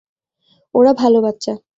ওরা ভালো বাচ্চা।